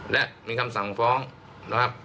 และมีคำสั่งฟ้องนะครับ